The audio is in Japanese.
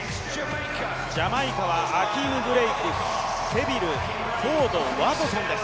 ジャマイカはアキーム・ブレイク、セビル、フォード、ワトソンです。